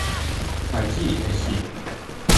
Φαγί έχει;